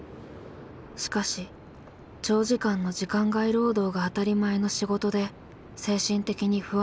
しかし長時間の時間外労働が当たり前の仕事で精神的に不安定に。